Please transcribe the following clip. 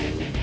eh mbak be